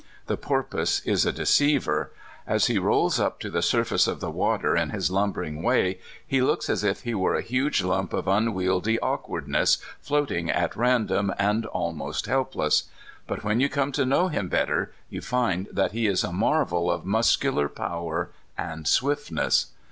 The porpoise is a deceiver. As he rolls up to the sur face of the water in his lumbering way he looks as if he w^ere a huge lump of unwieldy awkwardness, floating at random and almost helpless; but when you come to know him better, you find that he is a marvel of muscular power and swiftness.